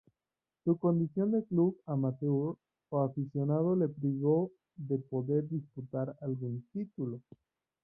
Su condición de club "amateur" o aficionado le privó de poder disputar algún título.